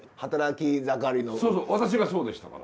そうそう私がそうでしたから。